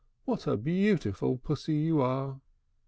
What a beautiful Pussy you are!"